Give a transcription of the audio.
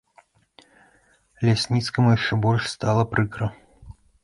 Лясніцкаму яшчэ больш стала прыкра.